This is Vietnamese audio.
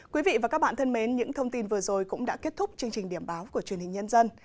quý vị và các bạn thân mến những thông tin vừa rồi cũng đã kết thúc chương trình điểm báo của truyền hình nhân dân